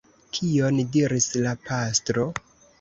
Kion diris la pastro?